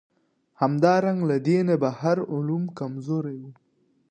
همدارنګه له دینه بهر علوم کمزوري وو.